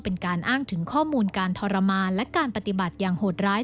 เป็นการอ้างถึงข้อมูลการทรมานและการปฏิบัติอย่างโหดร้าย